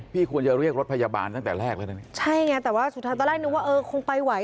พี่ควรจะเรียกรถพยาบาลตั้งแต่แรกแล้วนะใช่ไงแต่ว่าสุดท้ายตอนแรกนึกว่าเออคงไปไหว